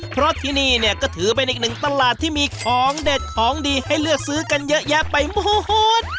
เพราะที่นี่เนี่ยก็ถือเป็นอีกหนึ่งตลาดที่มีของเด็ดของดีให้เลือกซื้อกันเยอะแยะไปหมด